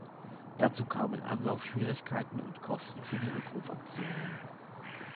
Dazu kamen Anlaufschwierigkeiten und Kosten für die Rückrufaktionen.